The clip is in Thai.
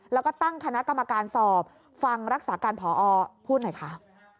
แล้วก็ตั้งคณะกรรมการสอบฟังรักษาการพอพูดหน่อยค่ะ